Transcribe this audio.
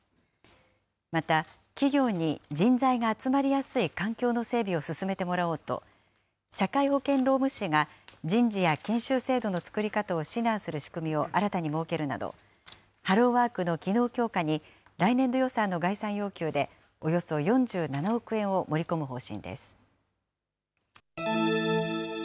また、企業に人材が集まりやすい環境の整備を進めてもらおうと、社会保険労務士が人事や研修制度の作り方を指南する仕組みを新たに設けるなど、ハローワークの機能強化に来年度予算の概算要求でおよそ４７億円を盛り込む方針です。